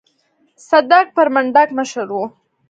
صدک پر منډک مشر و.